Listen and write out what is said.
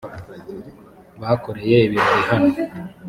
bakoreye ibirori hano